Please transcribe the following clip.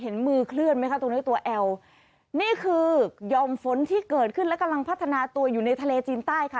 มือเคลื่อนไหมคะตรงนี้ตัวแอลนี่คือยอมฝนที่เกิดขึ้นและกำลังพัฒนาตัวอยู่ในทะเลจีนใต้ค่ะ